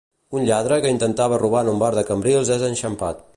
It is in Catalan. Un lladre que intentava robar en un bar de Cambrils és enxampat.